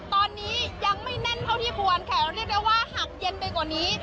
ตอนนี้ยังไม่แน่นเท่าที่ควรค่ะเรียกได้ว่าหากเย็นไปกว่านี้